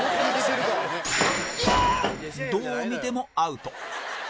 どう見てもアウト